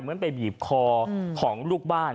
เหมือนไปบีบคอของลูกบ้าน